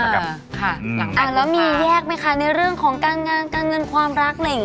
แล้วมีแยกมั้ยค่ะในเรื่องของการงานการเงินความรัก